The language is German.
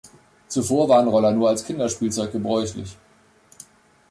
Zuvor waren Roller nur als Kinderspielzeug gebräuchlich.